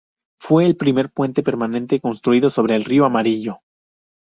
Fue el primer puente permanente construido sobre el Río Amarillo.